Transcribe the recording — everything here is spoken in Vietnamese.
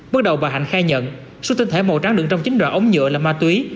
bước đầu bà hạnh khai nhận số tinh thể màu trắng đựng trong chín đoạn ống nhựa là ma túy